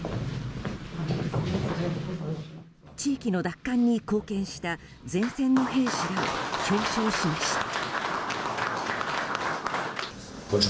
地域の奪還に貢献した前線の兵士らを表彰しました。